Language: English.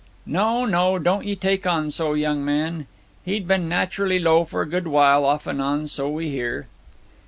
'No, no. Don't ye take on so, young man. He'd been naturally low for a good while, off and on, so we hear.'